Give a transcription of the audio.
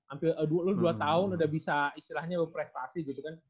ampir lu dua tahun udah bisa istilahnya lu prestasi gitu kan